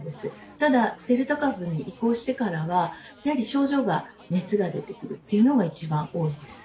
ただデルタ株に移行してからは、やはり症状が熱が出てくるっていうのが一番多いです。